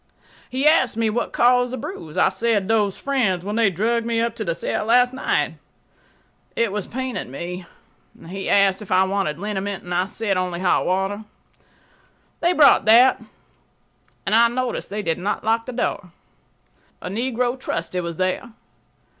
He asked me what caused' the bruise. I said, "Those fiends when they dragged me to the cell last night." It was paining me. He asked if I wanted liniment and I said only hot water. They brought that, and I noticed they did not lock the door. A negro trusty was there.